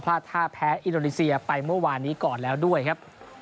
ท่าแพ้อินโดนีเซียไปเมื่อวานนี้ก่อนแล้วด้วยครับ